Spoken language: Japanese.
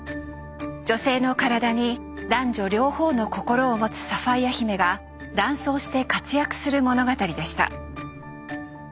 女性の体に男女両方の心を持つサファイア姫が男装して活躍する物語でした。